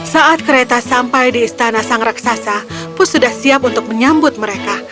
saat kereta sampai di istana sang raksasa bus sudah siap untuk menyambut mereka